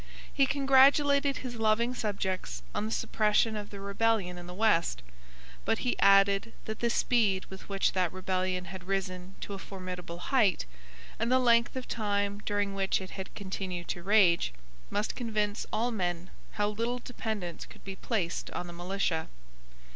He congratulated his loving subjects on the suppression of the rebellion in the West: but he added that the speed with which that rebellion had risen to a formidable height, and the length of time during which it had continued to rage, must convince all men how little dependence could be placed on the militia.